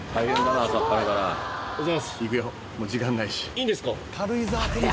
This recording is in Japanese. いいんですか？